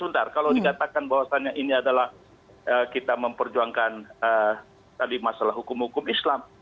jadi kalau dikatakan bahwasannya ini adalah kita memperjuangkan tadi masalah hukum hukum islam